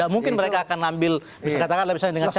mungkin mereka akan ambil misalnya dengan cara